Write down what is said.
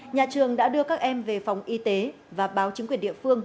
nhà trường đã đưa các em về phòng y tế và báo chính quyền địa phương